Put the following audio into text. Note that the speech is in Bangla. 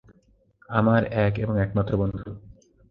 আমার এক এবং একমাত্র বন্ধু।